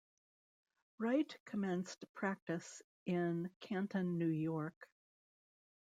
Wright commenced practice in Canton, New York.